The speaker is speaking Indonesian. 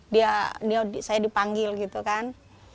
dia saya dipanggil gitu kan